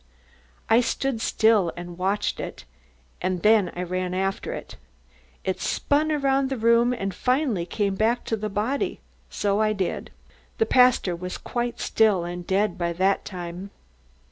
I stood still and watched it, then I ran after it. It spun around the room and finally came back to the body. So did I. The pastor was quite still and dead by that time."